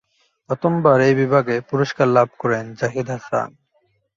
প্রথমবার এই বিভাগে পুরস্কার লাভ করেন জাহিদ হাসান।